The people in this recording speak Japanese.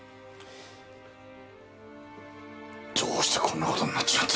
どうしてこんな事になっちまったのか。